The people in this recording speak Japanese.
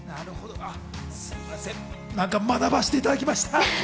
学ばせていただきました。